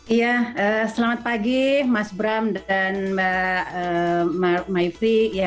iya selamat pagi mas bram dan mbak maifri